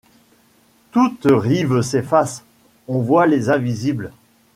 Toute rive s’efface. On voit les invisibles, .